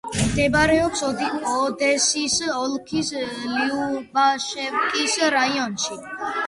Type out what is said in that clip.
მდებარეობს ოდესის ოლქის ლიუბაშევკის რაიონში.